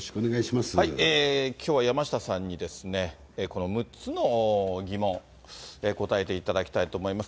きょうは山下さんに、この６つの疑問、答えていただきたいと思います。